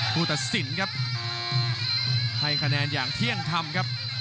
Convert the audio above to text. ผู้ตัดสินครับให้คะแนนอย่างเที่ยงธรรมครับ